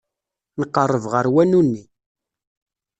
Nqerreb ɣer wanu-nni.